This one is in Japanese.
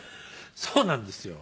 そうなんですよ。